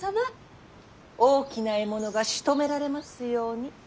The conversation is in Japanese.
大きな獲物がしとめられますように。